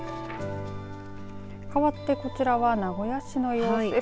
かわってこちらは名古屋市の様子です。